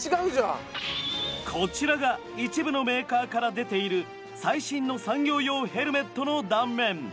こちらが一部のメーカーから出ている最新の産業用ヘルメットの断面。